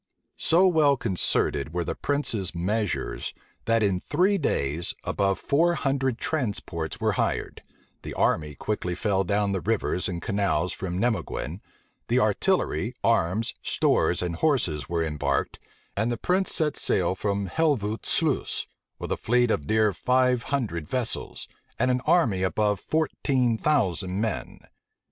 So well concerted were the prince's measures, that, in three days, above four hundred transports were hired; the army quickly fell down the rivers and canals from Nimeguen; the artillery, arms, stores, and horses, were embarked; and the prince set sail from Helvoet Sluice, with a fleet of near five hundred vessels, and an army of above fourteen thousand men.